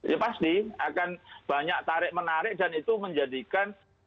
ya pasti akan banyak tarik menarik dan itu menjadikan